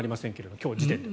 今日時点で。